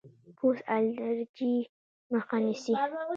پوست الرجي مخه نیسي.